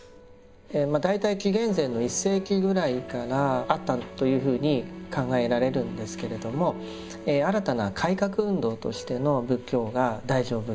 大体紀元前の１世紀ぐらいからあったというふうに考えられるんですけれども新たな改革運動としての仏教が大乗仏教です。